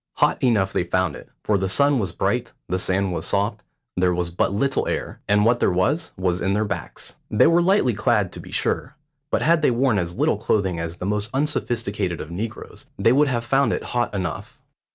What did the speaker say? Hot enough they found it, for the sun was bright, the sand was soft, there was but little air, and what there was was in their backs. They were lightly clad, to be sure; but had they worn as little clothing as the most unsophisticated of negroes, they would have found it hot enough.